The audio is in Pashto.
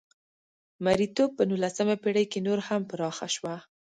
مریتوب په نولسمه پېړۍ کې نور هم پراخه شوه.